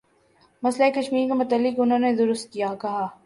مسئلہ کشمیر کے متعلق انہوں نے درست کہا